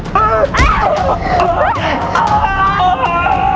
ไม่ได้